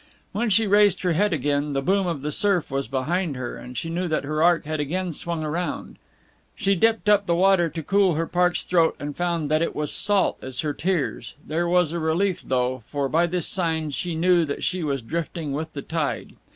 When she raised her head again, the boom of the surf was behind her, and she knew that her ark had again swung round. She dipped up the water to cool her parched throat, and found that it was salt as her tears. There was a relief, though, for by this sign she knew that she was drifting with the tide.